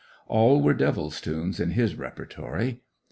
All were devil's tunes in his repertory.